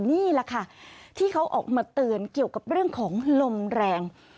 นี่แหละค่ะที่เขาออกมาเตือนเกี่ยวกับเรื่องของลมแรง